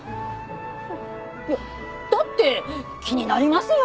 だって気になりますよね。